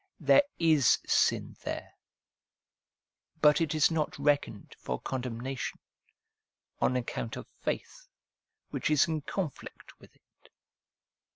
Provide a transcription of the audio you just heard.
There is sin there, but it is not reckoned for condemnation, on account of faith, which is in conflict with it.